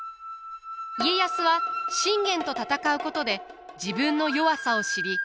家康は信玄と戦うことで自分の弱さを知り多くを学びます。